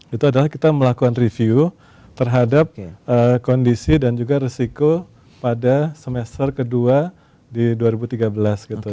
itu adalah kita melakukan review terhadap kondisi dan juga resiko pada semester kedua di dua ribu tiga belas gitu